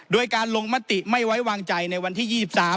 โดยการลงมติไม่ไว้วางใจในวันที่๒๓